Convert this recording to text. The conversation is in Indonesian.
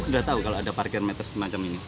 sudah tahu kalau ada parkir meter semacam ini